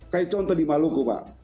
kayak contoh di maluku pak